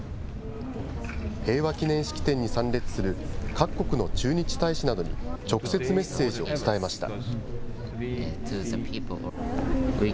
平和記念式典に参列する各国の駐日大使などに、直接メッセージを伝えました。